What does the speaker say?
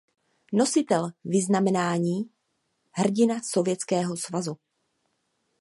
Nositel vyznamenání hrdina Sovětského Svazu.